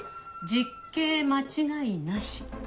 実刑間違いなし。